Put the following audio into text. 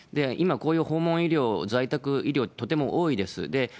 今、こういう訪問医療、在宅医療、とても多いです。